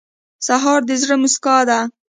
سهار د زړه موسکا ده.